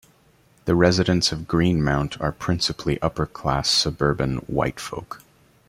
The residents of Greenmount are principally upper class suburban white folk.